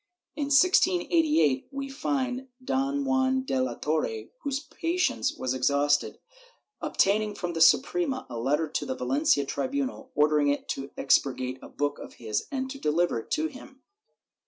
In 1688 we find Don Juan de la Torre, whose patience was exhausted, obtaining from the Suprema a letter to the Valencia tribunal ordering it to expurgate a book of his and deliver it to him.